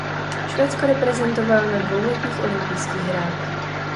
Švédsko reprezentoval na dvou letních olympijských hrách.